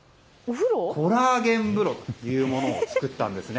コラーゲン風呂というものを作ったんですね。